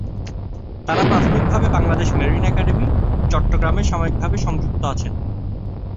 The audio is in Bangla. তারা প্রাথমিকভাবে বাংলাদেশ মেরিন একাডেমি, চট্টগ্রাম এ সাময়িকভাবে সংযুক্ত আছেন।